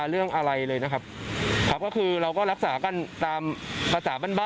เรื่องอะไรเลยนะครับครับก็คือเราก็รักษากันตามภาษาบ้านบ้าน